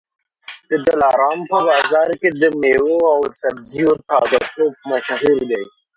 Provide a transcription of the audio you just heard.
د دلارام په بازار کي د مېوو او سبزیو تازه توب مشهور دی.